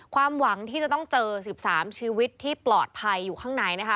ความหวังที่จะต้องเจอ๑๓ชีวิตที่ปลอดภัยอยู่ข้างในนะคะ